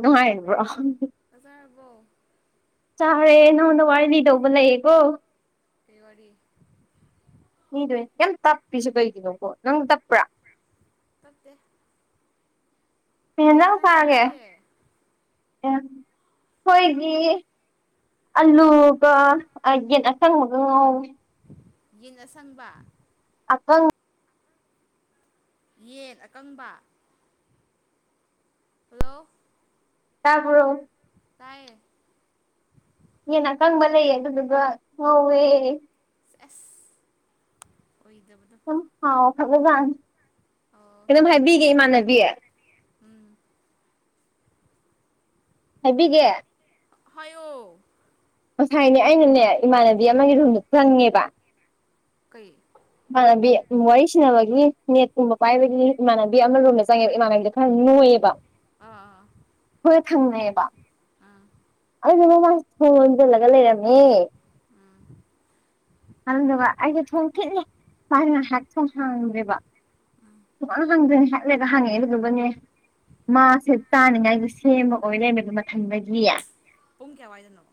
ꯅꯨꯡꯉꯥꯏꯔꯤꯕ꯭ꯔꯣ ꯆꯥꯛ ꯆꯥꯔꯕꯣ ꯆꯥꯔꯦ ꯅꯉꯣꯟꯗ ꯋꯥꯔꯤ ꯂꯤꯗꯧꯕ ꯂꯩꯌꯦꯀꯣ ꯀꯩꯋꯥꯔꯤ ꯂꯤꯗꯣꯏꯅꯦ ꯌꯥꯝ ꯇꯞꯄꯤꯁꯨ ꯀꯩꯒꯤꯅꯣꯀꯣ ꯅꯪ ꯇꯞꯄ꯭ꯔꯥ ꯇꯞꯇꯦ ꯀꯩ ꯏꯟꯁꯥꯡ ꯆꯥꯔꯒꯦ ꯑꯦ ꯑꯈꯣꯏꯒꯤ ꯑꯥꯂꯨꯒ ꯑ ꯌꯦꯟ ꯑꯁꯪꯕꯒ ꯉꯥꯎꯋꯤ ꯌꯦꯟ ꯑꯁꯪꯕ ꯑꯀꯪ ꯌꯦꯟ ꯑꯀꯪꯕ ꯍꯜꯂꯣ ꯇꯥꯕ꯭ꯔꯣ ꯇꯥꯏꯌꯦ ꯌꯦꯟ ꯑꯀꯪꯕ ꯂꯩꯌꯦ ꯑꯗꯨꯗꯨꯒ ꯉꯧꯋꯦ ꯑꯁ ꯑꯣꯢꯗꯕ ꯌꯥꯝ ꯍꯥꯎ ꯈꯔꯕ ꯖꯥꯠꯅꯦ ꯑꯣ ꯀꯩꯅꯣꯝ ꯍꯥꯏꯕꯤꯒꯦ ꯏꯃꯥꯟꯅꯕꯤ ꯎꯝ ꯍꯥꯏꯕꯤꯒꯦ ꯍꯥꯏꯌꯣ ꯉꯁꯥꯏꯅꯦ ꯑꯩꯅꯅꯦ ꯏꯃꯥꯟꯅꯕꯤ ꯎꯝ ꯑꯃꯒꯤ ꯔꯨꯝꯗ ꯆꯪꯉꯦꯕ ꯀꯩ ꯏꯃꯥꯟꯅꯗꯤ ꯋꯥꯔꯤ ꯁꯅꯥꯕꯒꯤ ꯅꯦꯠꯀꯨꯝꯕ ꯄꯥꯏꯕꯒꯤ ꯏꯃꯥꯟꯅꯕꯤ ꯑꯃ ꯔꯨꯝꯗ ꯆꯪꯉꯦꯕ ꯏꯃꯥꯟꯅꯕꯤꯗ ꯈꯔ ꯅꯣꯢꯑꯦꯕ ꯑꯥ ꯈꯣꯢꯒ ꯊꯪꯅꯩꯌꯦꯕ ꯑꯥ ꯑꯥ ꯑꯗꯨꯗꯨꯅ ꯃꯥꯁꯦ ꯊꯣꯡ ꯂꯣꯟꯖꯜꯂꯒ ꯂꯩꯔꯝꯃꯦ ꯎꯝ ꯑꯗꯨꯗꯨꯒ ꯑꯩꯁꯦ ꯊꯣꯡ ꯊꯤꯟꯂꯦ ꯃꯥꯁꯦ ꯉꯥꯢꯍꯥꯛ ꯊꯣꯡ ꯍꯥꯡꯗ꯭ꯔꯦꯕ ꯁꯨꯡꯍꯥꯡ ꯍꯥꯡꯗ꯭ꯔꯦ ꯉꯥꯢꯍꯥꯛ ꯂꯩꯔꯒ ꯍꯥꯡꯉꯛꯑꯦ ꯑꯗꯨꯗꯨꯒꯅꯦ ꯃꯥꯁꯦ ꯆꯥꯅꯤꯡꯉꯥꯏꯒꯤ ꯁꯦꯝꯕ ꯑꯣꯏꯂꯩꯔꯝꯃꯦꯕ ꯃꯊꯟꯗꯒꯤ ꯄꯨꯡ ꯀꯌꯥꯋꯥꯏꯗꯅꯣ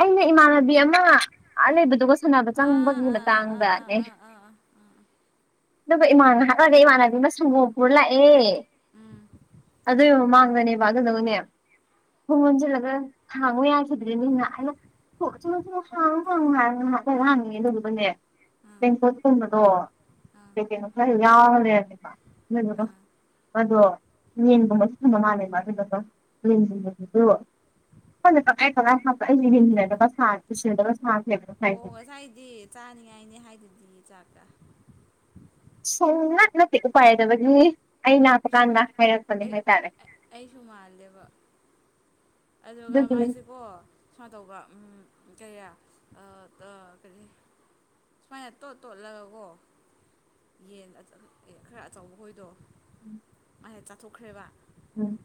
ꯑꯩꯅ ꯏꯃꯥꯟꯅꯕꯤ ꯑꯃ ꯑ ꯂꯩꯕꯗꯨꯒ ꯁꯥꯟꯅꯕ ꯑꯥ ꯆꯪꯕꯒꯤ ꯑꯥ ꯑꯥ ꯑꯥ ꯑꯥ ꯃꯇꯥꯡꯗꯅꯦ ꯑꯦ ꯑꯥ ꯑꯥ ꯑꯥ ꯑꯗꯨꯒ ꯏꯃꯥꯟꯅ ꯉꯍꯥꯛꯂꯩꯔꯒ ꯏꯃꯥꯟꯅꯕꯤ ꯑꯃ ꯁꯪꯒꯣꯝ ꯄꯨꯔ ꯂꯥꯛꯑꯦ ꯎꯝ ꯑꯗꯨꯒꯤ ꯃꯃꯥꯡ ꯍꯪꯉꯅꯦꯕ ꯑꯗꯨꯗꯒꯅꯦ ꯊꯣꯡ ꯂꯣꯟꯖꯤꯜꯂꯒ ꯍꯥꯡꯉꯨ ꯌꯥꯈꯤꯗ꯭ꯔꯦꯅꯤꯅ ꯑꯩꯅ ꯊꯣꯛ ꯊꯣꯛꯂꯨ ꯍꯥꯡꯉꯣ ꯍꯥꯡꯉꯣ ꯍꯥꯢꯔꯒ ꯉꯍꯥꯛ ꯂꯩꯔꯒ ꯍꯥꯡꯑꯦ ꯑꯗꯨꯗꯨꯒꯅꯦ ꯑꯥ ꯇꯦꯡꯀꯣꯠ ꯀꯨꯝꯕꯗꯣ ꯀꯩꯀꯩꯅꯣ ꯈꯔ ꯌꯥꯎꯔ ꯂꯩꯔꯝꯃꯦꯕ ꯑꯗꯨꯗꯨꯒ ꯑꯥ ꯑꯗꯣ ꯌꯦꯟꯒꯨꯝꯕꯁꯨ ꯊꯝꯕ ꯃꯥꯜꯂꯦ ꯃꯥꯗꯨꯗ ꯗꯨꯝ ꯌꯦꯡꯁꯤꯡꯗꯨꯁꯨ ꯈꯪꯗꯦ ꯇꯪꯈꯥꯢ ꯇꯪꯈꯥꯢ ꯑꯩꯁꯦ ꯃꯤꯟꯒꯤ ꯇꯥꯢꯇ ꯈꯔ ꯁꯥꯔꯦ ꯎꯁꯤꯟꯅꯗꯕ ꯑꯣ ꯉꯁꯥꯏꯗꯤ ꯆꯥꯅꯤꯡꯉꯥꯏꯅꯦ ꯍꯥꯏꯗꯨꯗꯤ ꯆꯥꯛꯔꯥ ꯁꯨꯡꯅꯠ ꯅꯠꯇꯦ ꯎꯄꯥꯢꯂꯩꯇꯕꯒꯤ ꯑꯩ ꯑꯩꯁꯨ ꯂꯥꯛꯄꯀꯥꯟꯗ ꯍꯥꯏꯔꯛꯄꯅꯦ ꯑꯩ ꯍꯥꯏꯇꯥꯔꯦ ꯑꯩꯁꯨ ꯃꯥꯜꯂꯦꯕ ꯑꯗꯨꯒ ꯑꯗꯨꯒꯤꯅꯦ ꯃꯥꯏꯁꯤꯀꯣ ꯁꯨꯃꯥꯏꯅ ꯇꯧꯕ꯭ꯔꯥ ꯎꯝ ꯀꯌꯥ ꯑꯥ ꯗꯥ ꯀꯔꯤ ꯁꯨꯃꯥꯏꯅ ꯇꯣꯠ ꯇꯣꯠꯂꯒꯀꯣ ꯌꯦꯟ ꯑꯆ ꯑꯦ ꯈꯔ ꯑꯆꯧꯕ ꯈꯣꯏꯗꯣ ꯎꯝ ꯃꯥꯁꯦ ꯆꯥꯊꯣꯛꯈ꯭ꯔꯦꯕ ꯎꯝ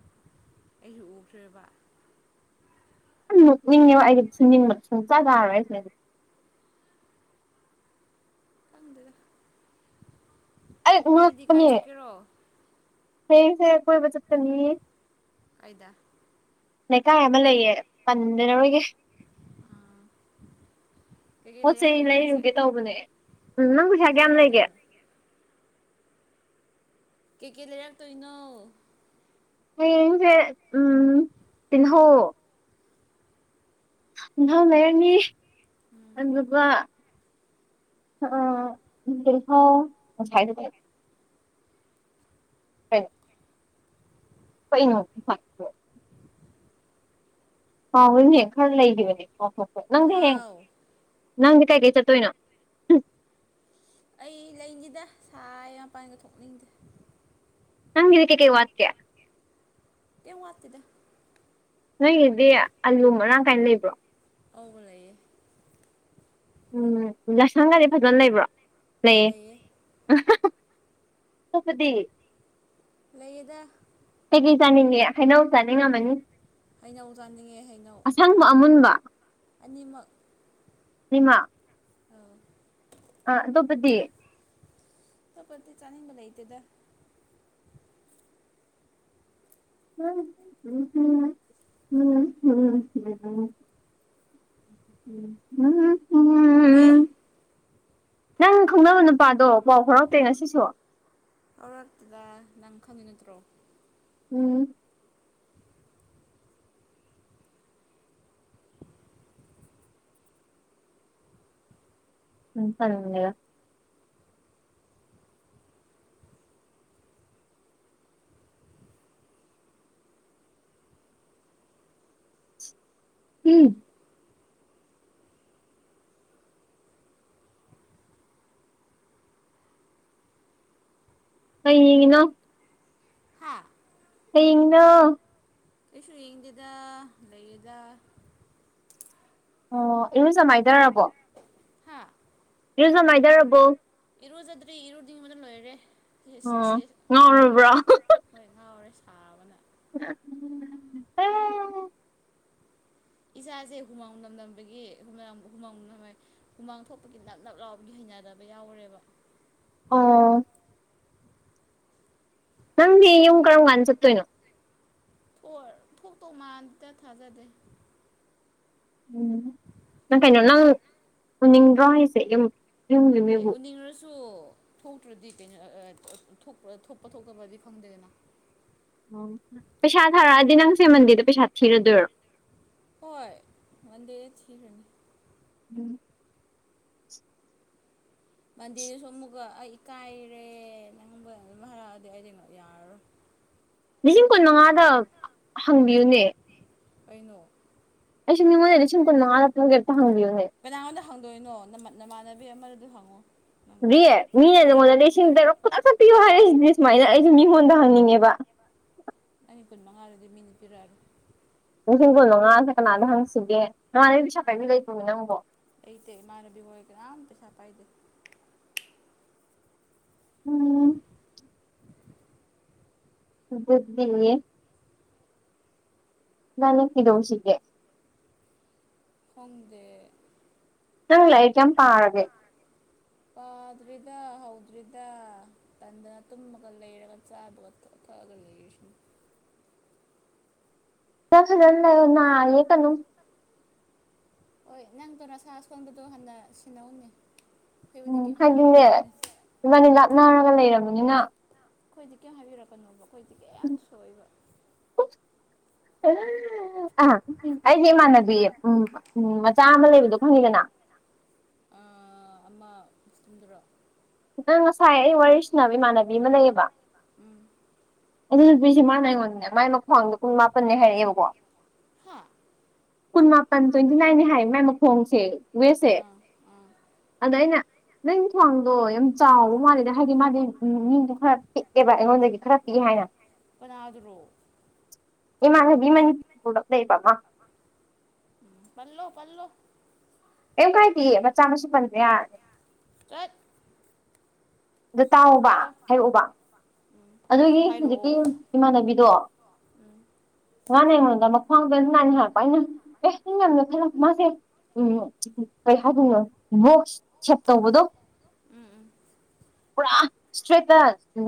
ꯑꯩꯁꯨ ꯎꯈ꯭ꯔꯦꯕ ꯌꯥꯝ ꯅꯣꯛꯅꯤꯡꯉꯦꯕ ꯑꯩꯗꯤ ꯊꯤꯅꯤꯡꯕ ꯁꯨꯡꯆꯥꯥ ꯆꯥꯔꯣꯏ ꯍꯥꯏꯁꯦ ꯈꯪꯗꯦꯗ ꯑꯩ ꯍꯌꯦꯡꯗꯤ ꯀꯥꯏ ꯉꯛꯄꯅꯦ ꯆꯠꯀꯦꯔꯣ ꯍꯌꯦꯡꯁꯦ ꯀꯣꯢꯕ ꯆꯠꯀꯅꯤ ꯀꯥꯢꯗ ꯂꯩꯀꯥꯏ ꯑꯃ ꯂꯩꯌꯦ ꯄꯟꯅꯔꯣꯢꯒꯦ ꯑꯥ ꯄꯣꯠ ꯆꯩ ꯂꯩꯔꯨꯒꯦ ꯇꯧꯕꯅꯦ ꯎꯝ ꯅꯪ ꯄꯩꯁꯥ ꯀꯩꯀꯩ ꯀꯌꯥꯝ ꯂꯩꯒꯦ ꯂꯩꯔꯛꯇꯣꯏꯅꯣ [inaudible] ꯀꯩꯀꯩ ꯂꯩꯔꯛꯇꯣꯏꯅꯣ ꯍꯌꯦꯡꯁꯦ ꯎꯝ ꯇꯤꯟꯍꯧ ꯇꯤꯟꯍꯧ ꯂꯩꯔꯅꯤ ꯑꯗꯨꯒ ꯑꯥ ꯇꯤꯟꯍꯧ ꯍꯨꯖꯤꯛ ꯍꯥꯢꯔꯝꯃꯤꯗꯣ ꯀꯩ ꯀꯩ ꯀꯩꯅꯣ ꯄꯤꯁꯥ ꯀ ꯕꯣ ꯍꯥꯎꯋꯤꯅꯦ ꯈꯔ ꯂꯩꯈꯤꯕꯅꯦ ꯉꯈꯣ ꯊꯥꯎ ꯅꯪꯗꯤ ꯀꯩ ꯀꯩ ꯆꯠꯇꯣꯏꯅꯣ ꯎꯝ ꯑꯩ ꯂꯩꯅꯤꯗ ꯁꯥꯢ ꯃꯄꯥꯟꯒ ꯊꯣꯛꯅꯤꯡꯗꯦ ꯅꯪꯒꯤꯗꯤ ꯀꯩ ꯀꯩ ꯋꯥꯠꯀꯦ ꯀꯩꯝ ꯋꯥꯠꯇꯦꯗ ꯅꯣꯏꯒꯤꯗꯤ ꯑꯂꯨ ꯃꯔꯥꯡ ꯀꯥꯏꯅ ꯂꯩꯕ꯭ꯔꯣ ꯑꯧ ꯂꯩꯌꯦ ꯎꯝ ꯂꯥꯏꯁꯪꯒꯗꯤ ꯐꯖꯅ ꯂꯩꯕ꯭ꯔꯣ ꯂꯩꯌꯦ ꯑꯍꯥꯍꯥ ꯆꯠꯄꯗꯤ ꯂꯩꯌꯦꯗ ꯀꯩꯀꯩ ꯆꯥꯅꯤꯡꯉꯦ ꯍꯩꯅꯧ ꯆꯥꯅꯤꯡ ꯗꯩ ꯉꯝꯃꯅꯤ ꯍꯩꯅꯧ ꯆꯥꯅꯤꯡꯉꯦ ꯍꯩꯅꯧ ꯑꯃꯨꯟꯕ ꯑꯅꯤꯃꯛ ꯅꯤꯃꯛ ꯑꯧ ꯑꯥ ꯑꯇꯣꯞꯄꯗꯤ ꯇꯣꯞꯄꯗꯤ ꯆꯥꯅꯤꯡꯕ ꯂꯩꯇꯦꯗ ꯎꯝ ꯍꯝꯍꯝ ꯍꯝ ꯍꯝ ꯍꯝ ꯎ ꯎꯝꯎꯝ ꯑꯦ ꯅꯪ ꯈꯪꯅꯕ ꯅꯨꯄꯥꯗꯣ ꯄꯥꯎ ꯐꯥꯎꯔꯛꯇꯦ ꯉꯁꯤꯁꯨ ꯐꯥꯎꯔꯛꯇꯦꯗꯥ ꯅꯪ ꯈꯪꯉꯤ ꯅꯠꯇ꯭ꯔꯣ ꯎꯝ ꯎꯝ ꯇꯜꯂꯦꯗ ꯎꯝ ꯀꯩ ꯌꯦꯡꯉꯤꯅꯣ ꯍꯥꯥ ꯀꯩ ꯌꯦꯡꯉꯤꯅꯣ ꯀꯩꯁꯨ ꯌꯦꯡꯗꯦꯗ ꯂꯩꯌꯦꯗ ꯑꯣ ꯏꯔꯨꯖ ꯃꯥꯏꯗꯔꯕꯣ ꯍꯥ ꯢꯔꯨꯖ ꯃꯥꯏꯗꯔꯕꯣ ꯏꯔꯨꯖꯗ꯭ꯔꯤ ꯏꯔꯨꯅꯤꯡꯕꯅ ꯂꯣꯏꯔꯦ ꯏꯁ ꯢꯁ ꯑꯣ ꯢꯁ ꯀꯗꯧꯔꯕ ꯉꯥꯎꯔꯕ꯭ꯔꯣ ꯍꯣꯏ ꯉꯥꯎꯔꯦ ꯁꯥꯕꯅ ꯑꯥ ꯏꯁꯥꯁꯦ ꯍꯨꯃꯥꯡ ꯃꯅꯝ ꯅꯝꯕꯒꯤ ꯍꯨꯃꯥꯡ ꯍꯨꯃꯥꯡ ꯍꯨꯃꯥꯡ ꯊꯣꯛꯄꯒꯤ ꯅꯞ ꯅꯞ ꯂꯥꯎꯕꯒꯤ ꯍꯩ ꯍꯩꯅꯗꯕ ꯌꯥꯎꯔꯦꯕ ꯑꯣ ꯅꯪꯗꯤ ꯌꯨꯝ ꯀꯔꯝ ꯀꯥꯟꯗ ꯆꯠꯇꯣꯏꯅꯣ ꯊꯣꯛ ꯊꯣꯛꯇꯧ ꯃꯥꯟꯗꯦ ꯊꯥꯖꯗꯦ ꯎꯝ ꯅꯪ ꯀꯩꯅꯣ ꯅꯪ ꯎꯅꯤꯡꯗꯣꯔ ꯍꯥꯏꯁꯦ ꯌꯨꯝ ꯌꯨꯝꯒꯤ ꯃꯤꯕꯨ ꯁꯨ ꯊꯣꯛꯇ꯭ꯔꯗꯤ ꯀꯩꯅꯣ ꯑ ꯊꯣꯛꯄ ꯊꯣꯛꯇꯕꯗꯤ ꯈꯪꯗꯦꯗꯅ ꯑꯣ ꯄꯩꯁꯥ ꯊꯥꯔꯛꯑꯗꯤ ꯅꯪ ꯁꯤ ꯃꯟꯗꯦꯗ ꯄꯩꯁꯥ ꯊꯤꯔꯗꯣꯏꯔꯣ ꯍꯣꯏ ꯃꯟꯗꯦꯗ ꯊꯤꯒ꯭꯭ꯔꯅꯤ ꯎꯝ ꯃꯟꯗꯦꯗꯨꯁꯨ ꯑꯃꯨꯛꯀ ꯑꯩ ꯏꯀꯥꯏꯔꯦ ꯅꯪꯕꯨ ꯑꯗꯨꯝ ꯍꯥꯏꯔꯛꯑꯗꯤ ꯑꯩꯗꯤ ꯌꯥꯔꯔꯣꯏ [inaudible] ꯂꯤꯁꯤꯡ ꯀꯨꯟ ꯃꯉꯥꯗ ꯍꯪꯕꯤꯌꯨꯅꯦ ꯀꯩꯅꯣ ꯑꯩꯁꯨ ꯃꯤꯉꯣꯟꯗꯒꯤ ꯂꯤꯁꯤꯡ ꯀꯨꯟ ꯃꯉꯥ ꯇ ꯄꯨꯒꯦ ꯑꯝꯇ ꯍꯪꯕꯤꯌꯣ ꯀꯅꯥꯉꯣꯟꯗ ꯍꯪꯗꯣꯏꯅꯣ ꯅꯃꯥ ꯅꯃꯥꯟꯅꯕꯤ ꯑꯃꯗꯨꯗ ꯍꯪꯉꯣ ꯅꯪ ꯀ꯭ꯔꯤ ꯃꯤꯅ ꯅꯉꯣꯟꯗ ꯂꯤꯁꯤꯡ ꯇꯔꯨꯛ ꯈꯨꯗꯛꯇ ꯄꯤꯌꯣ ꯍꯥꯏꯔꯛꯏꯁꯤꯗꯤ ꯁꯨꯃꯥꯏꯅ ꯑꯩꯁꯨ ꯃꯤꯉꯣꯟꯗ ꯍꯪꯅꯤꯡꯉꯦꯕ [inaudible] ꯀꯨꯟꯃꯉꯥ ꯗꯨꯗꯤ ꯃꯤꯅ ꯄꯤꯔꯛꯑꯔꯣꯏ ꯂꯤꯁꯤꯡ ꯀꯨꯟꯃꯉꯥꯁꯤ ꯀꯅꯥꯗ ꯍꯪꯁꯤꯒꯦ ꯅꯃꯥꯟꯅꯕꯤ ꯄꯩꯁꯥ ꯄꯥꯏꯕꯤ ꯂꯩꯇ꯭ꯔꯣꯃꯤ ꯅꯪꯕꯣ ꯂꯩꯇꯦ ꯏꯃꯥꯟꯅꯕꯤ ꯍꯣꯏ ꯀꯅꯥꯝ ꯄꯩꯁꯥ ꯄꯥꯏꯗꯦ ꯎꯝ ꯈꯨꯗꯛꯀꯤꯅꯦ ꯏꯕꯥꯅꯤ ꯀꯩꯗꯧꯁꯤꯒꯦ ꯈꯪꯗꯦ ꯅꯪ ꯂꯥꯏꯔꯤꯛ ꯀꯌꯥꯝ ꯄꯥꯔꯒꯦ [inaudible] ꯄꯥꯗ꯭ꯔꯤꯗ ꯍꯧꯗ꯭ꯔꯤꯗ ꯇꯟꯗꯅ ꯇꯨꯝꯃꯒ ꯂꯩꯔꯒ ꯆꯥꯕꯒ ꯊꯛꯄꯒ ꯒ ꯂꯩꯔꯤꯁꯤꯅꯤ ꯅꯪ ꯁꯤꯗ ꯂꯩꯌꯨ ꯅꯥꯔ ꯂꯤꯛꯀꯅꯨ ꯍꯣꯏ ꯅꯪꯗꯣ ꯅꯁꯥ ꯑꯁꯣꯟꯕꯗꯣ ꯍꯥꯟꯅ ꯁꯤꯟꯅꯧꯅꯦ ꯎꯝ ꯑꯩꯈꯣꯏꯕꯨꯗꯤ ꯀꯩꯝ ꯑꯈꯣꯏꯗꯤꯅꯦ ꯍꯥꯏꯕꯤꯔꯛꯀꯅꯨꯅꯦ ꯏꯕꯥꯅꯤ ꯂꯥꯞꯅꯔꯒ ꯂꯩꯔꯕꯅꯤꯅ ꯑꯈꯣꯏꯗꯤ ꯀꯌꯝ ꯍꯥꯏꯕꯤꯔꯛꯀꯅꯣꯕ ꯑꯈꯣꯏꯗꯤ ꯀꯌꯝ ꯁꯣꯛꯑꯣꯏꯕ ꯍ ꯑ ꯑꯩꯒꯤ ꯏꯃꯥꯟꯅꯕꯤ ꯎꯝ ꯎꯝ ꯃꯆꯥ ꯑꯃ ꯂꯩꯕꯗꯣ ꯈꯪꯉꯤꯗꯅ ꯑ ꯑꯃ ꯃꯨꯁ꯭ꯂꯤꯝꯗꯨꯔꯣ ꯈꯤꯇꯪ ꯉꯁꯥꯏ ꯑꯩ ꯋꯥꯔꯤ ꯁꯥꯅꯕ ꯏꯃꯥꯟꯅꯕꯤ ꯑꯃ ꯂꯩꯌꯦꯕ ꯎꯝ ꯑꯗꯨ ꯅꯨꯄꯤꯁꯦ ꯃꯥꯅ ꯑꯩꯉꯣꯟꯗꯅꯦ ꯃꯥꯏ ꯃꯈ꯭ꯋꯥꯡꯗꯣ ꯀꯨꯟ ꯃꯥꯄꯟꯅꯦ ꯍꯥꯏꯔꯛꯑꯦꯕꯀꯣ ꯍꯥ ꯀꯨꯟ ꯃꯥꯄꯟ ꯇ꯭ꯋꯦꯟꯇꯤ ꯅꯥꯏꯟꯅꯦ ꯍꯥꯏ ꯃꯥꯏ ꯃꯈꯣꯡꯁꯦ ꯋꯦꯁꯁꯦ ꯑꯥ ꯑꯥ ꯑꯗ ꯑꯩꯅ ꯅꯪ ꯈ꯭ꯋꯥꯡꯗꯣ ꯌꯥꯝ ꯆꯥꯎꯕ ꯃꯥꯜꯂꯤꯅ ꯍꯥꯏꯗꯤ ꯃꯥꯗꯤ ꯃꯤꯗꯣ ꯈꯔ ꯄꯤꯛꯑꯦꯕ ꯑꯩꯉꯣꯟꯗꯒꯤ ꯈꯔ ꯒꯤ ꯍꯥꯏꯅ ꯀꯅꯥꯗꯔꯣ ꯏꯃꯥꯟꯅꯕꯤ ꯃꯅꯤꯄꯨꯔꯗ ꯂꯩꯌꯦꯕ ꯑꯃ ꯄꯜꯂꯣ ꯄꯜꯂꯣ ꯀꯦꯝ ꯀꯥꯏꯗꯤꯌꯦ ꯃꯆꯥ ꯃꯁꯨ ꯄꯟꯕ ꯌꯥꯔ ꯆꯠ ꯑꯗꯨ ꯇꯥꯎꯑꯣꯕ ꯍꯥꯏꯔꯣ ꯍꯥꯏꯔꯛꯑꯣꯕ ꯎꯝ ꯑꯗꯨꯒꯤ ꯍꯨꯖꯤꯛꯀꯤ ꯍꯥꯏꯔꯛꯑꯣ ꯏꯃꯥꯟꯅꯕꯤꯗꯣ ꯎꯝ ꯃꯥꯅ ꯑꯩꯉꯣꯟꯗ ꯃꯈ꯭ꯋꯥꯡꯗ ꯇꯋꯦꯟꯇꯤ ꯅꯥꯏꯟ ꯥꯏꯔꯛꯄ ꯑꯩꯅ ꯑꯦ ꯅꯩ ꯌꯥꯝ ꯅꯣꯏꯈꯠꯂꯝꯃꯦ ꯃꯥꯁꯦ ꯎꯝ ꯀꯩ ꯍꯥꯏꯗꯣꯏꯅꯣ ꯕꯣꯛꯁ ꯁꯠ ꯇꯧꯕꯗꯣ ꯎꯝ ꯎꯝ ꯄꯨꯔꯥ ꯏꯁꯇ꯭ꯔꯦꯠꯇ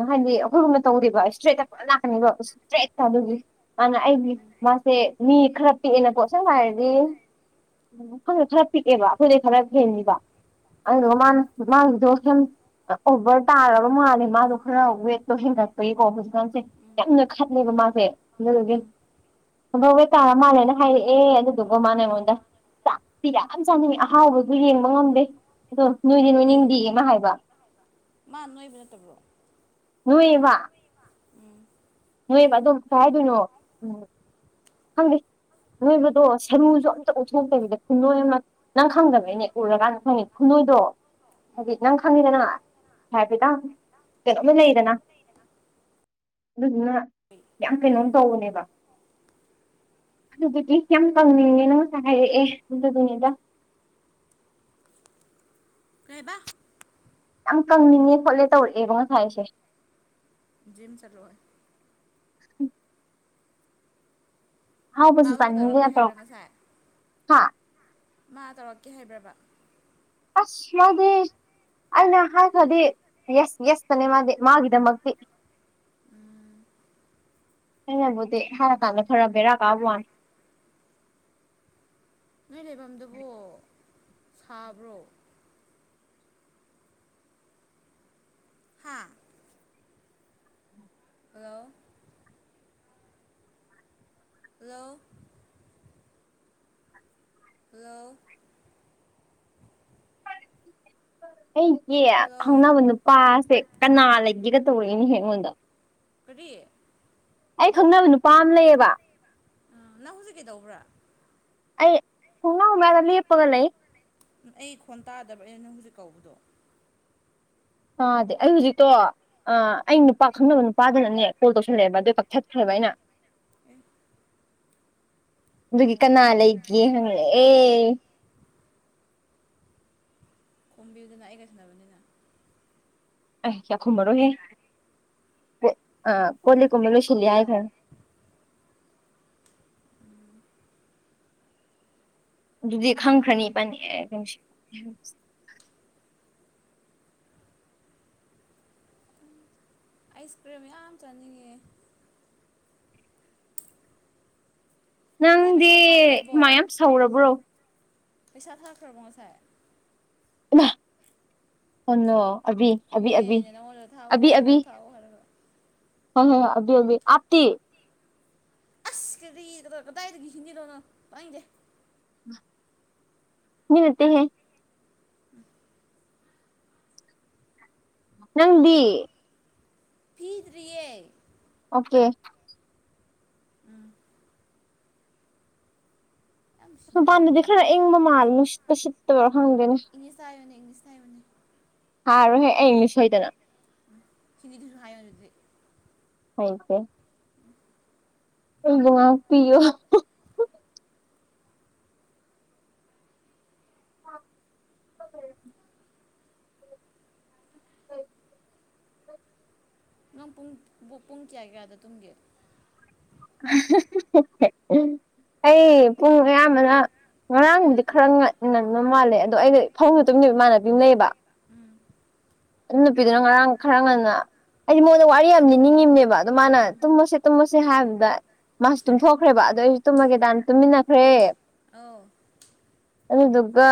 ꯍꯥꯏꯗꯤ ꯑꯩꯈꯣꯏꯒꯨꯝꯅ ꯇꯧꯗꯦꯕ ꯏꯁꯇ꯭ꯔꯦꯠꯇ ꯄꯨꯔꯥ ꯂꯅꯥꯀꯅꯤꯕ ꯏꯁꯇ꯭ꯔꯦꯠꯇ ꯑꯗꯨꯒꯤ ꯃꯥꯅ ꯑꯩꯗꯤ ꯃꯥꯁꯦ ꯃꯤ ꯈꯔ ꯄꯤꯛꯑꯦꯅ ꯀꯣ ꯑꯁꯦꯡꯕ ꯍꯥꯏꯔꯗꯤ ꯈꯪꯗꯦ ꯈꯔ ꯄꯤꯛꯑꯦꯕ ꯑꯩꯈꯣꯏꯗ ꯈꯔ ꯎꯝ ꯎꯝ ꯍꯦꯟꯅꯤꯕ ꯑꯗꯨꯗꯨꯒ ꯎꯝ ꯃꯥꯅ ꯃꯥꯒꯤꯗꯣ ꯑꯣꯞꯁꯟ ꯑꯣꯚꯔ ꯇꯥꯔꯕ ꯃꯥꯜꯂꯦ ꯃꯥꯗꯣ ꯈꯔ ꯋꯦꯠꯇꯣ ꯍꯦꯟꯒꯠꯄꯒꯤꯀꯣ ꯍꯧꯖꯤꯛꯀꯥꯟꯁꯦ ꯎꯝ ꯌꯥꯝ ꯅꯣꯢ ꯈꯠꯂꯦꯕ ꯃꯥꯁꯦ ꯑꯗꯨꯗꯨꯒꯤ ꯎꯝ ꯑꯗꯨ ꯋꯦꯛ ꯇꯥꯔ ꯃꯥꯜꯂꯦꯅ ꯍꯥꯏꯔꯛꯑꯦ ꯑꯗꯨꯗꯨꯒ ꯃꯥꯅ ꯑꯩꯉꯣꯟꯗ ꯎꯝ ꯆꯥꯛꯇꯤ ꯌꯥꯝ ꯆꯥꯅꯤꯡꯉꯦ ꯑꯍꯥꯎꯕꯁꯨ ꯌꯦꯡꯕ ꯉꯝꯗꯦ ꯑꯗꯣ ꯅꯣꯏꯗꯤ ꯑꯦ ꯅꯣꯏꯅꯤꯡꯗꯦꯌꯦ ꯃꯥ ꯍꯥꯏꯕ ꯃꯥ ꯅꯣꯏꯕ ꯅꯠꯇꯕ꯭ꯔꯣ ꯅꯣꯢꯌꯦꯕ ꯎꯝ ꯅꯣꯏꯌꯦꯕ ꯑꯗꯨꯝ ꯀꯩ ꯍꯥꯏꯗꯣꯏꯅꯣ ꯎꯝ ꯈꯪꯗꯦ ꯅꯣꯏꯕꯗꯣ ꯑ ꯁꯔꯨꯁꯨ ꯑꯝꯇ ꯑꯣꯟꯊꯣꯛꯂꯇꯕꯤꯗ ꯈꯨꯟꯅꯣꯏ ꯑꯃ ꯅꯪ ꯎꯝ ꯈꯪꯗꯕꯩꯅꯦ ꯎꯔꯀꯥꯟꯗ ꯈꯪꯅꯤ ꯈꯨꯅꯣꯏ ꯀꯩꯗꯣ ꯍꯥꯏꯗꯤ ꯎꯝ ꯅꯪ ꯈꯪꯉꯤꯗꯅ ꯍꯥꯏꯐꯦꯠꯇꯪ ꯀꯩꯅꯣꯝꯃ ꯂꯩꯗꯅ [inaudible] ꯑꯗꯨꯗꯨꯅ ꯌꯥꯝ ꯀꯩꯅꯣꯝ ꯇꯧꯕꯅꯦꯕ ꯑꯗꯨꯗꯤ ꯌꯥꯝ ꯀꯪꯅꯤꯡꯉꯦꯅ ꯉꯁꯥꯏ ꯍꯥꯏꯔꯛꯑꯦ ꯑꯗꯨꯗꯨꯅꯤꯗ [inaudible] ꯀꯩꯑꯕ ꯌꯥꯝ ꯀꯪꯅꯤꯡꯉꯦ ꯈꯣꯠꯂꯦ ꯇꯧꯔꯛꯑꯦꯕ ꯉꯁꯥꯏꯁꯦ ꯖꯤꯝ ꯆꯠꯂꯦ ꯎꯝ ꯃꯥ ꯍꯥꯎꯕꯁꯨ ꯑꯃꯨꯛꯀ ꯇꯥꯅꯤꯡꯗꯦ ꯇꯧꯔꯛꯀꯦ ꯍꯥꯢꯅ ꯍꯥꯏꯕ꯭ꯔꯥ ꯇꯧꯔꯛꯄ ꯉꯁꯥꯏ ꯍꯥ ꯃꯥ ꯇꯧꯔꯛꯀꯦ ꯍꯥꯏꯕ꯭ꯔꯕ ꯑꯁ ꯌꯥꯗꯦ ꯑꯩꯅ ꯍꯥꯏꯈ꯭ꯔꯗꯤ ꯌꯦꯁ ꯌꯦꯁ ꯇꯅꯦ ꯃꯥꯗꯤ ꯃꯥꯒꯤ ꯗꯃꯛꯇꯤ ꯎꯝ ꯑꯩꯅꯕꯨꯗꯤ ꯍꯥꯢꯔ ꯀꯥꯡꯅ ꯈꯔ ꯕꯦꯔ ꯀꯥꯕ ꯋꯥꯅꯤ ꯅꯣꯏ ꯂꯩꯐꯝꯗꯨꯕ ꯁꯥꯕ꯭ꯔꯣ ꯍꯥꯥ ꯍꯜꯂꯣ ꯍꯜꯂꯣ ꯍꯜꯂꯣ ꯑꯩꯒꯤ ꯍꯜꯂꯣ ꯈꯪꯅꯕ ꯅꯨꯄꯥꯁꯦ ꯀꯅꯥ ꯂꯩꯒꯦꯒ ꯇꯧꯔꯛ ꯏꯅꯦꯍꯦ ꯑꯩꯉꯣꯟꯗ ꯀꯔꯤ ꯑꯩ ꯈꯪꯅꯕ ꯅꯨꯄꯥ ꯑꯃ ꯂꯩꯌꯦꯕ ꯅꯪ ꯍꯨꯖꯤꯛ ꯀꯩꯗꯧꯕ꯭ꯔꯥ ꯑꯩ ꯊꯣꯡꯅꯥꯎ ꯃꯌꯥꯗ ꯂꯦꯞꯄꯒ ꯂꯩ ꯑꯩ ꯈꯣꯟ ꯇꯥꯗꯕ ꯑ ꯅꯪ ꯍꯨꯖꯤꯛ ꯀꯧꯕꯗꯣ ꯇꯥꯗꯦ ꯑꯩ ꯍꯧꯖꯤꯛꯇꯣ ꯑꯩ ꯅꯨꯄꯥ ꯈꯪꯅꯕ ꯅꯨꯄꯥꯗꯅꯅꯦ ꯀꯣꯜ ꯇꯧꯁꯜꯂꯛꯑꯦꯕ ꯑꯗꯨꯢ ꯀꯛꯊꯠꯈ꯭ꯔꯦꯕ ꯑꯗ ꯑꯩꯅ ꯑꯦ ꯑꯗꯨꯒꯤ ꯑꯣ ꯀꯅꯥ ꯂꯩꯒꯦ ꯍꯪꯂꯛ ꯑꯦ ꯈꯣꯝꯕꯤꯌꯨꯗꯅ ꯑꯩꯒ ꯁꯥꯟꯅꯕꯅꯦꯅ ꯑꯦ ꯌꯥꯢꯈꯣꯝꯕꯔꯣ ꯍꯦ ꯑꯦ ꯑ ꯣꯂꯤꯛ ꯀꯨꯝꯕ ꯂꯣꯏꯁꯤꯜꯂꯤ ꯍꯥꯢꯈ꯭ꯔꯦ ꯎꯝ ꯑꯗꯨꯗꯤ ꯈꯪꯈ꯭ꯔꯅꯤ ꯏꯕꯥꯅꯤ ꯑꯦ ꯍꯥꯢꯕꯁꯤ ꯑꯥꯏꯁ ꯀ꯭ꯔꯤꯝ ꯌꯥꯝ ꯆꯥꯅꯤꯡꯉꯦ ꯉꯁꯥꯏ ꯅꯪꯗꯤ ꯄꯩꯁꯥ ꯊꯥꯈ꯭ꯔꯕꯣ ꯍꯨꯃꯥꯡ ꯌꯥꯝ ꯁꯧꯔꯕ꯭ꯔꯣ ꯄꯩꯁꯥ ꯊꯥꯈ꯭ꯔꯕꯣꯉꯁꯥꯏ ꯏꯃꯥ ꯀꯅꯣ ꯑꯩꯅ ꯅꯉꯣꯟꯗ ꯊꯥꯎꯑꯣ ꯊꯥꯎꯑꯣ ꯍꯥꯢꯔꯒ ꯍꯣ ꯍꯣ ꯍꯣꯢ ꯍꯨꯖꯤꯛ ꯍꯨꯖꯤꯛ ꯑꯞꯇꯤ ꯑꯁ ꯀꯔꯤꯗꯅꯣ ꯀꯗꯥꯏꯗꯒꯤ ꯁꯤꯟꯕꯤꯗꯣꯏꯅꯣ ꯇꯥꯏꯡꯗꯦ ꯃꯤꯅ ꯅꯠꯇꯦ ꯍꯦ [inaudible] ꯅꯪꯗꯤ ꯄꯤꯗ꯭ꯔꯤꯌꯦ ꯑꯣꯀꯦ ꯎꯝ ꯌꯥꯝ ꯁꯤꯟꯅꯅꯤꯡꯕ ꯃꯄꯥꯟꯗꯗꯤ ꯈꯔ ꯅꯪꯅ ꯏꯪꯕ ꯃꯥꯜꯂꯦ ꯅꯨꯡꯁꯤꯠꯀ ꯁꯤꯠꯇꯕ꯭ꯔꯥ ꯈꯪꯗꯦꯅꯦ ꯁꯩꯕꯅꯦ ꯍꯥꯏꯔꯣꯏꯍꯦ ꯑꯩꯅꯤ ꯁꯣꯏꯗꯅ [unintelligible] ꯍꯥꯏꯌꯣ ꯑꯗꯨꯗꯤ ꯍꯧꯈ꯭ꯔꯦ ꯑꯩꯕꯨ ꯉꯥꯛꯄꯤꯌꯣ [inaudible] [inaudible] ꯅꯪ ꯄꯨꯡ ꯄꯨ ꯄꯨꯡ ꯀꯌꯥ ꯀꯌꯥꯗ ꯇꯨꯝꯒꯦ ꯑꯩ ꯄꯨꯡ ꯑꯌꯥꯝꯕꯅ ꯉꯔꯥꯡꯗꯨꯗꯤ ꯈꯔ ꯉ ꯉꯟꯕ ꯃꯥꯜꯂꯦ ꯑꯗꯣ ꯑꯩꯅ ꯐꯕꯨꯡ ꯇꯝꯃꯤꯟꯅꯕ ꯏꯃꯥꯟꯅꯕꯤ ꯑꯃ ꯂꯩꯑꯦꯕ ꯎꯝ ꯑꯗꯨ ꯅꯨꯄꯤꯗꯨꯅ ꯉꯔꯥꯡ ꯈꯔ ꯉꯟꯅ ꯑꯩꯗꯤ ꯃꯉꯣꯟꯗ ꯋꯥꯔꯤ ꯌꯥꯝ ꯂꯤꯅꯤꯡꯉꯤꯕꯅꯦꯕ ꯑꯗꯣ ꯃꯥꯅ ꯇꯨꯝꯃꯁꯦ ꯇꯨꯝꯃꯁꯦ ꯍꯥꯏꯕꯗꯨꯗ ꯃꯥꯁꯨ ꯇꯨꯝꯊꯣꯛꯈ꯭ꯔꯦꯕ ꯑꯗꯨꯗꯣ ꯑꯩꯁꯨ ꯇꯨꯝꯃꯒꯦꯗꯥꯅ ꯇꯨꯝꯃꯤꯟꯅꯈ꯭ꯔꯦ ꯑꯥꯎ ꯑꯗꯨꯗꯨꯒ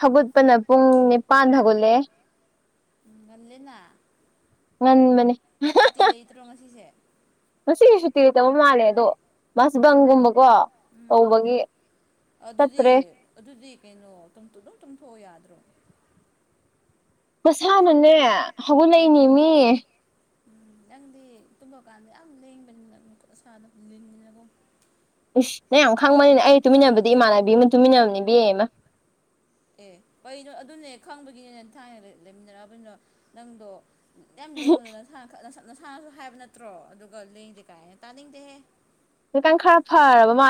ꯍꯧꯒꯠꯄꯅ ꯄꯨꯡ ꯅꯤꯄꯥꯟ ꯗ ꯍꯧꯒꯠꯂꯦ ꯉꯜꯂꯤꯅ ꯉꯟꯕꯅꯦ ꯉꯁꯤꯁꯦ ꯉꯁꯤꯒꯤ ꯁꯨꯇꯤ ꯂꯩꯇꯕ ꯃꯥꯜꯂꯦ ꯑꯗꯣ ꯃꯥꯁꯦꯕꯪꯒꯨꯝꯕꯀꯣ ꯎꯝ ꯇꯧꯕꯒꯤ ꯑꯗꯨꯗꯤ ꯆꯠꯇ꯭ꯔꯦ ꯑꯗꯨꯗꯤ ꯀꯩꯅꯣ ꯇꯨꯝ ꯑꯗꯨꯝ ꯇꯨꯝꯊꯣꯛꯑꯣ ꯌꯥꯗ꯭ꯔꯣ ꯃꯁꯥꯅꯅꯦ ꯍꯧꯒꯠꯂꯛꯏꯅꯤ ꯃꯤ ꯅꯪꯗꯤ ꯇꯨꯝꯕ ꯀꯥꯟꯗ ꯌꯥꯝ ꯂꯦꯡꯕꯅꯤꯅ ꯅꯁꯥꯗꯣ ꯂꯤꯟ [unintelligible] ꯏꯁ ꯅꯪ ꯌꯥꯝ ꯈꯪꯕꯅꯤꯅ ꯑꯩ ꯇꯨꯃꯤꯟꯅꯕꯗꯤ ꯇꯧꯔꯝꯅꯤ ꯏꯃꯥꯟꯅꯕꯤ ꯑꯃ ꯇꯨꯃꯤꯟꯅꯕꯅꯤ ꯏꯕꯦꯝꯃ ꯑꯦ ꯀꯩꯅꯣ ꯑꯗꯨꯅꯦ ꯈꯪꯕꯒꯤꯅꯦ ꯅꯪ ꯊꯥꯏꯅ ꯂꯩꯃꯤꯟꯅꯔꯛꯑꯕꯅꯤꯅ ꯅꯪꯗꯣ ꯌꯥꯝ ꯂꯦꯡꯕꯗꯨꯅ ꯅ ꯅꯁꯥꯅꯈ ꯅꯁꯥꯅꯁꯨ ꯍꯥꯏꯕ ꯅꯠꯇ꯭ꯔꯣ ꯑꯗꯨꯒ ꯂꯦꯡꯗꯦ ꯀꯥꯏꯅ ꯇꯥꯅꯤꯡꯗꯦꯍꯦ ꯀꯤꯇꯪ ꯈꯔ ꯐꯔꯕ ꯃꯥꯜꯂꯦ